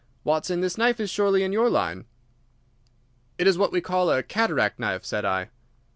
Watson, this knife is surely in your line?" "It is what we call a cataract knife," said I.